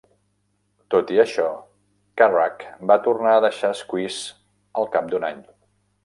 Tot i això, Carrack va tornar a deixar Squeeze, al cap d'un any.